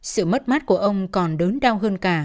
sự mất mát của ông còn đớn đau hơn cả